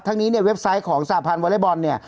นี้เนี่ยเว็บไซต์ของสหพันธ์วอเล็กบอลเนี่ย